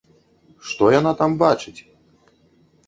Што яна там бачыць?